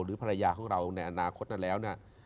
ภรรยาของเราในอนาคตนั้นแล้วนะ